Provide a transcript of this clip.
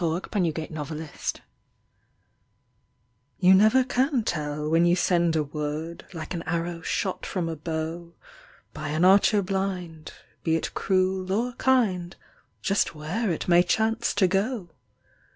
YOU NEVER CAN TELL You never can tell when you send a word, Like an arrow shot from a bow By an archer blind, be it cruel or kind, Just where it may chance to go!